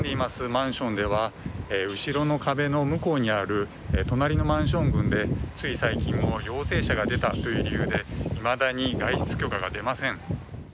マンションでは後ろの壁の向こうにある隣のマンション群でつい最近陽性者が出たという理由でいまだに外出許可が出ません。